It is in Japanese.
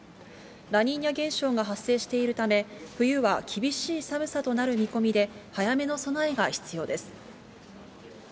ラニーニャ現象が発生しているため、冬は厳しい寒さとなる見込みで、早めの備えが必要です。